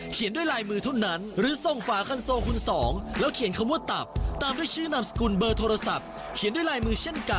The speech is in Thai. เขียนด้วยลายมือเช่นกัน